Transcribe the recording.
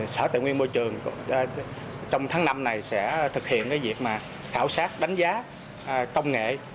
sở tài nguyên môi trường trong tháng năm này sẽ thực hiện việc khảo sát đánh giá công nghệ